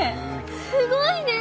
すごいね！